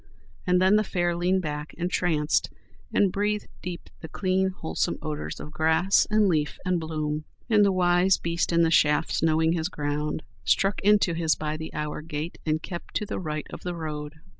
And then the fare leaned back, entranced, and breathed deep the clean, wholesome odours of grass and leaf and bloom. And the wise beast in the shafts, knowing his ground, struck into his by the hour gait and kept to the right of the road.